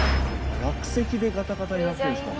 落石でガタガタになってるんですか。